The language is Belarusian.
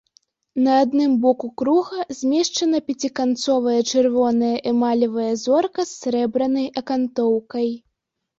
На адным боку круга змешчана пяціканцовая чырвоная эмалевая зорка з срэбнай акантоўкай.